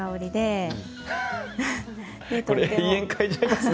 これ延々嗅いじゃいますね。